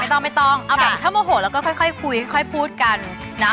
เอาแบบถ้าโมโหแล้วก็ค่อยคุยค่อยพูดกันนะ